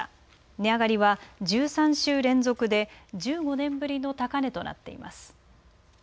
値上がりは１３週連続で、１５年ぶりの高値となっています。